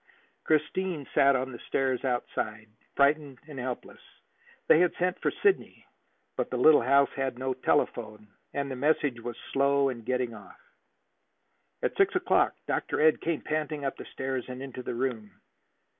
Christine sat on the stairs outside, frightened and helpless. They had sent for Sidney; but the little house had no telephone, and the message was slow in getting off. At six o'clock Dr. Ed came panting up the stairs and into the room.